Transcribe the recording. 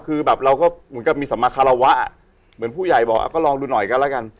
คือแบบเราก็เหมือนกับมีสัมมาคารวะเหมือนผู้ใหญ่บอกก็ลองดูหน่อยกันแล้วกัน